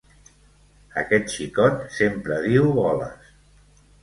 Aquest xicot sempre diu boles.